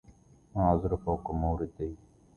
معذر فوق مورديه